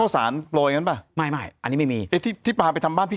ข้าวสารโปยไงน่ะป่ะไม่อันนี้ไม่มีถ้ีป่าไปทำบ้านคิด